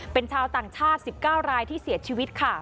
เป็นชาวต่างชาติ๑๙รายที่เสียชีวิตค่ะ